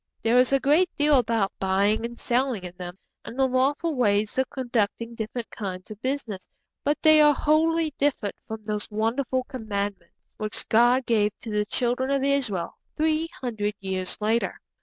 There is a great deal about buying and selling in them, and the lawful way of conducting different kinds of business; but they are wholly different from those wonderful Commandments which God gave to the Children of Israel three hundred years later.